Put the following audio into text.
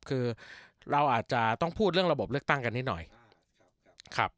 คือเราอาจจะต้องพูดเรื่องระบบเลือกตั้งกันนิดหน่อยครับ